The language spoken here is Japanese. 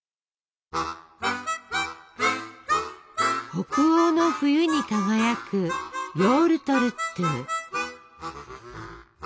北欧の冬に輝くヨウルトルットゥ。